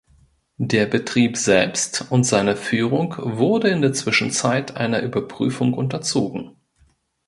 Der Betrieb selbst und seine Führung wurde in der Zwischenzeit einer Überprüfung unterzogen.